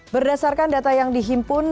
berdasarkan data yang dihimpun